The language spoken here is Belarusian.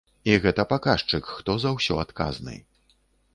І гэта паказчык, хто за ўсё адказны.